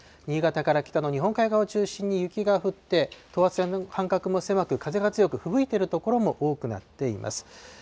新潟から北の日本海側を中心に雪が降って、等圧線の間隔も狭く、風が強く、ふぶいている所も多くなっています。